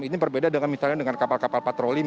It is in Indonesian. ini berbeda dengan misalnya dengan kapal kapal patroli